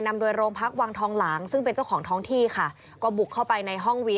นำโดยโรงพักวังทองหลังซึ่งเป็นเจ้าของท้องที่